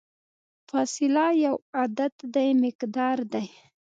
فاصله یو عددي مقدار دی.